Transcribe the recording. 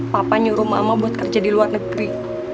papa nyuruh mama buat kerja di luar negeri